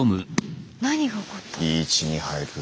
いい位置に入る。